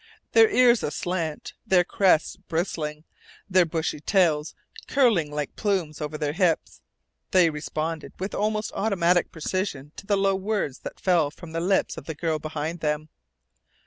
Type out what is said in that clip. Their ears aslant, their crests bristling, their bushy tails curling like plumes over their hips, they responded with almost automatic precision to the low words that fell from the lips of the girl behind them.